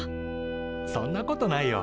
そんなことないよ。